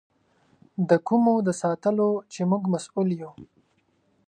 د کومو د ساتلو چې موږ مسؤل یو.